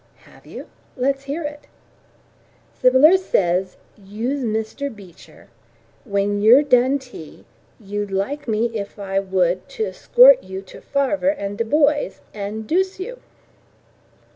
"Have you? Let's hear it." "Sybyller says you's Mr Beecher; when you're done tea, you'd like me if I would to 'scort you to farver and the boys, and 'duce you."